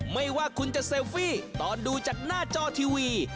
ไม่ว่าคุณจะเซลฟี่ตอนดูจากหน้าจอทีวี